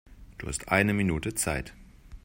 Du hast eine Minute Zeit.